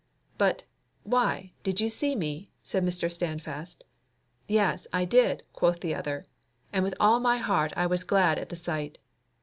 "But, why, did you see me?" said Mr. Standfast. "Yes, I did," quoth the other, "and with all my heart I was glad at the sight."